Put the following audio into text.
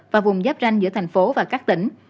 và vùng giáp ranh giữa thành phố và các tỉnh